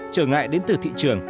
trở ngại đến từ thị trường